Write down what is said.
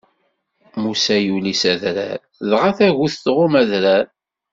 Musa yuli s adrar, dɣa tagut tɣumm adrar.